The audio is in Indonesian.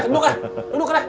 doi duduk deh